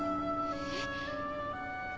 えっ。